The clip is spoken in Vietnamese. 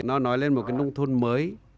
nó nói lên một cái nông thôn mới